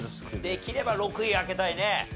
できれば６位開けたいね。